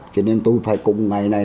thế nên tôi phải cùng ngày này